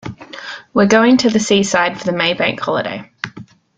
We're going to the seaside for the May bank holiday